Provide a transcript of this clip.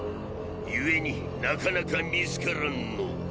故になかなか見つからんのォ。